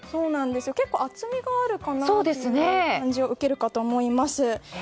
結構厚みがあるかなって感じを受けるかと思います。